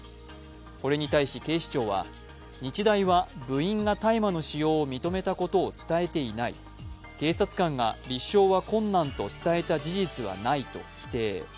これに対し、警視庁は日大は部員が大麻の使用を認めたことを伝えていない、警察官が立証は困難と伝えた事実はないと否定。